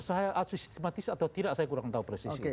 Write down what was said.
saya asusistematis atau tidak saya kurang tahu presisi